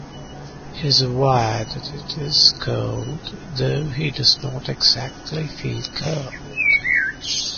He is aware that it is cold, though he does not exactly feel cold.